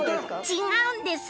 違うんです！